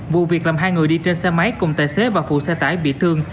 vụ việc làm hai người đi trên xe máy cùng tài xế và phụ xe tải bị thương